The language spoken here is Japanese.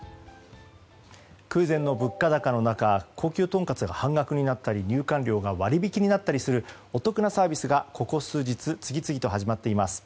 空前の物価高の中高級トンカツが半額になったり入館料が割引になったりするお得なサービスがここ数日次々と始まっています。